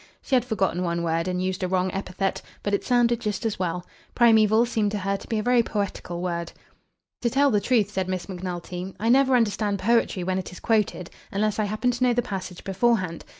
She had forgotten one word and used a wrong epithet; but it sounded just as well. Primeval seemed to her to be a very poetical word. "To tell the truth," said Miss Macnulty, "I never understand poetry when it is quoted unless I happen to know the passage beforehand.